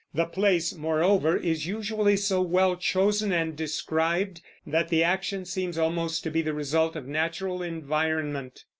The place, morever, is usually so well chosen and described that the action seems almost to be the result of natural environment.